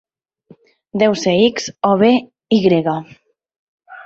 Deu ser "X" o bé "Y".